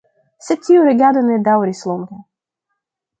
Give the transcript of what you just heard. Sed tiu regado ne daŭris longe.